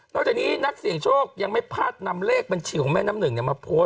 นอกจากนี้นักเสียงโชคยังไม่พลาดนำเลขบรรชีของแม่น้ำหนึ่งเนี้ยมา